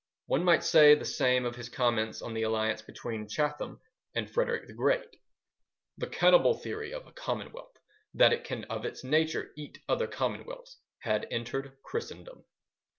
One might say the same of his comment on the alliance between Chatham and Frederick the Great:— The cannibal theory of a commonwealth, that it can of its nature eat other commonwealths, had entered Christendom.